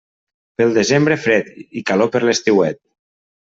Pel desembre, fred, i calor per l'estiuet.